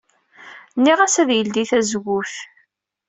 Nniɣ-as ad yeldey tazewwut.